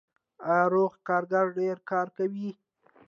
آیا روغ کارګر ډیر کار کوي؟